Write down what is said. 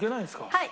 はい。